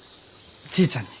ちぃちゃんに。